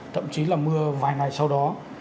thậm chí là mưa vài ngày sau đó